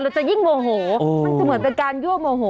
จะยิ่งโมโหมันจะเหมือนเป็นการยั่วโมโห